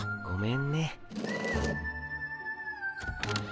ごめんね。